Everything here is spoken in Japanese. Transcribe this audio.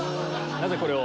なぜこれを？